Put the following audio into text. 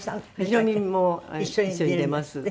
宙美も一緒に出ます。